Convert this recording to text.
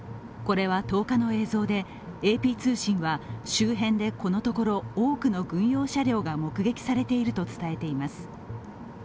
これは１０日の映像でＡＰ通信は周辺で、このところ多くの軍用車両が目撃されていると伝えています。